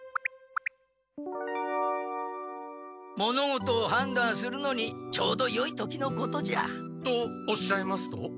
物事をはんだんするのにちょうどよい時のことじゃ。とおっしゃいますと？